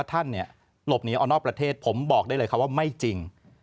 ท่านเนี่ยหลบหนีออกนอกประเทศผมบอกได้เลยครับว่าไม่จริง